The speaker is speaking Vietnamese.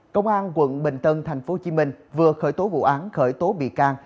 công an quận bình tân tp hcm vừa khởi tố vụ án khởi tố bị can